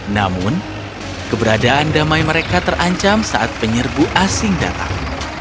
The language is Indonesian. namun keberadaan damai mereka terancam saat penyerbu asing datang